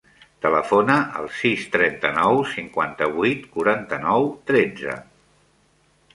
Telefona al sis, trenta-nou, cinquanta-vuit, quaranta-nou, tretze.